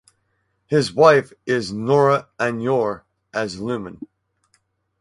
His wife is Nora Aunor as Lumen.